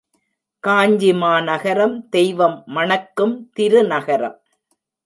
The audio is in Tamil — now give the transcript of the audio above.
காஞ்சி மாநகரம் தெய்வம் மணக்கும் திருநகரம்.